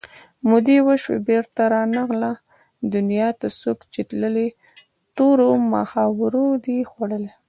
مودې وشوې بېرته نه راغله دنیا ته څوک چې تللي تورو مخاورو دي خوړلي